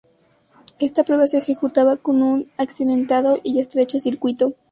Esta prueba se ejecutaba en un accidentado y estrecho circuito.